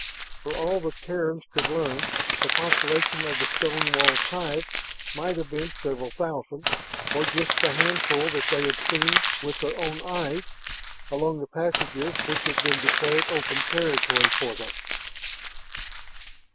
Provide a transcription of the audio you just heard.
For all the Terrans could learn, the population of the stone walled hive might have been several thousand, or just the handful that they had seen with their own eyes along the passages which had been declared open territory for them.